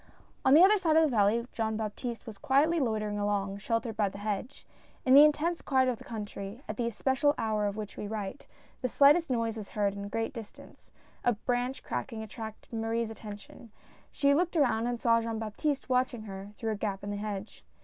On the other side of the valley Jean Baptiste was quietly loitering along, sheltered by the hedge. In the intense quiet of the country, at the especial hour of which we write, the slightest noise is heard at a great distance; a branch cracking attracted Marie's atten tion. She looked around and saw Jean Baptiste watching her, through a gap in the hedge.